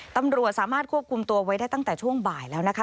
ตำรวจสามารถควบคุมตัวไว้ได้ตั้งแต่ช่วงบ่ายแล้วนะคะ